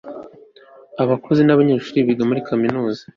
abakozi nabanyeshuri biga muri kaminuza